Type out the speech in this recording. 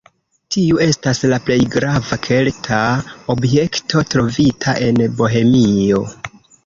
Tiu estas la plej grava kelta objekto trovita en Bohemio.